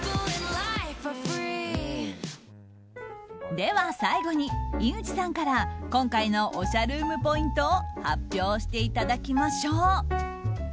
では最後に、井口さんから今回のおしゃルームポイントを発表していただきましょう。